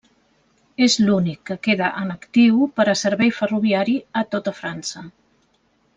És l'únic que queda en actiu per a servei ferroviari a tota França.